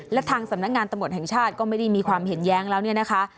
และทางสำนักงานตำรวจแห่งชาติก็ไม่ได้มีความเห็นแย้งแล้วเนี่ยนะคะ